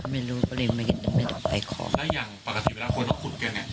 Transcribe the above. ไม่รู้ก็เลยไม่ได้ไปขอแล้วอย่างปกติเวลาคนต้องขุดเจาะไง